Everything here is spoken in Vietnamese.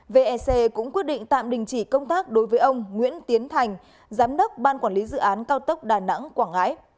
vec cũng quyết định tạm đình chỉ công tác đối với ông nguyễn tiến thành giám đốc ban quản lý dự án cao tốc đà nẵng quảng ngãi